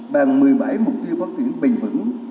bằng một mươi bảy mục tiêu phát triển bền vững